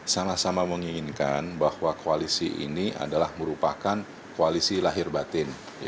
sama sama menginginkan bahwa koalisi ini adalah merupakan koalisi lahir batin